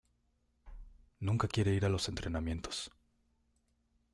Nunca quiere ir a los entrenamientos.